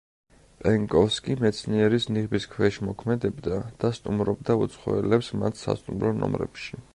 პენკოვსკი მეცნიერის ნიღბის ქვეშ მოქმედებდა და სტუმრობდა უცხოელებს მათ სასტუმრო ნომრებში.